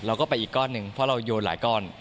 เราก็ไปอีกก้อนหนึ่งเพราะเราโยนหลายก้อน